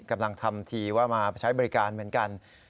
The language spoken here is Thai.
กำลังทำทีว่ามาใช้บริการเหมือนกัน